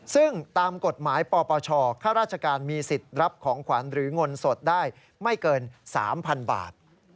ซึ่งตามกฎหมายปปชข้าราชการมีสิทธิ์รับของขวัญหรือเงินสดได้ไม่เกิน๓๐๐๐บาท